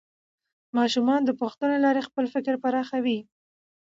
ماشومان د پوښتنو له لارې خپل فکر پراخوي